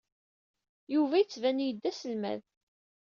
Yuba yettban-iyi-d d aselmad.